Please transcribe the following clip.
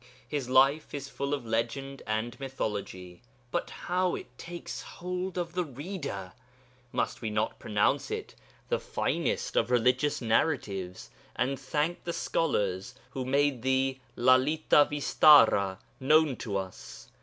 His life is full of legend and mythology, but how it takes hold of the reader! Must we not pronounce it the finest of religious narratives, and thank the scholars who made the Lalita Vistara known to us?